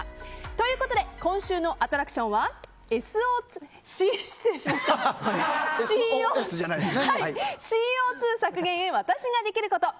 ということで今週のアトラクションはＣＯ２削減のために私ができること！